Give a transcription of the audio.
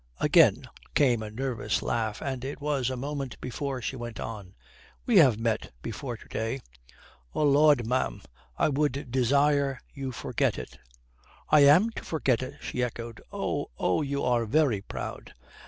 Again came a nervous laugh, and it was a moment before she went on. "We have met before to day." "Oh Lud, ma'am, I would desire you forget it." "I am to forget it!" she echoed. "Oh ... Oh, you are very proud."